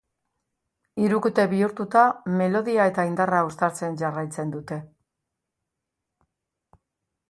Hirukote bihurtuta, melodia eta indarra uztartzen jarraitzen dute.